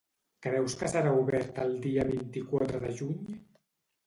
Creus que serà obert el dia vint-i-quatre de juny?